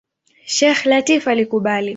Sheikh Lateef alikubali.